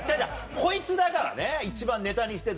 こいつだからね一番ネタにしてたの。